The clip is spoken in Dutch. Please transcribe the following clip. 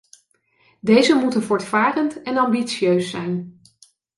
Deze moeten voortvarend en ambitieus zijn.